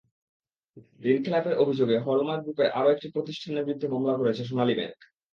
ঋণখেলাপের অভিযোগে হল-মার্ক গ্রুপের আরও একটি প্রতিষ্ঠানের বিরুদ্ধে মামলা করেছে সোনালী ব্যাংক।